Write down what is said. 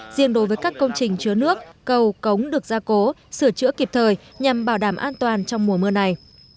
riêng đối với các công trình chứa nước cầu cống được gia cố sửa chữa kịp thời nhằm bảo đảm an toàn trong mùa mưa này